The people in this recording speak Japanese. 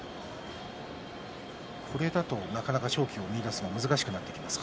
これだと、なかなか勝機を見いだすのが難しくなりますか？